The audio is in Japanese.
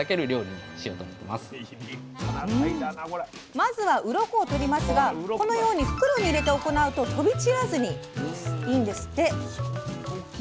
まずはうろこを取りますがこのように袋に入れて行うと飛び散らずにいいんですって！